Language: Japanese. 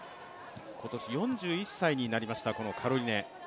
今年４１歳になりました、カロリネ。